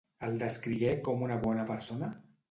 El descrigué com una bona persona?